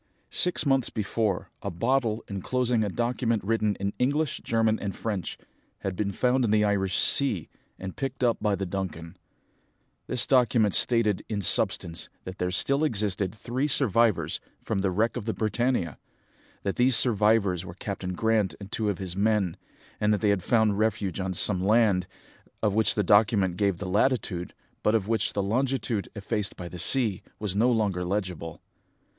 Six months before, a bottle, enclosing a document written in English, German, and French, had been found in the Irish sea, and picked up by the Duncan. This document stated in substance that there still existed three survivors from the wreck of the Britannia, that these survivors were Captain Grant and two of his men, and that they had found refuge on some land, of which the document gave the latitude, but of which the longitude, effaced by the sea, was no longer legible.